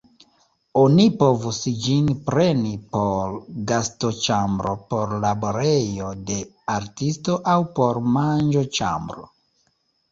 Oni povus ĝin preni por gastoĉambro, por laborejo de artisto aŭ por manĝoĉambro.